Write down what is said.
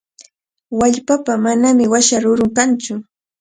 Wallpapaqa manami washa rurun kantsu.